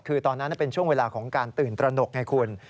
คือตอนนั้นเป็นช่วงเวลาของการตื่นตระหนกไงคุณ